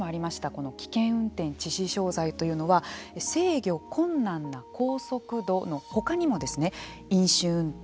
この危険運転致死傷罪というのは「制御困難な高速度」のほかにもですね「飲酒運転」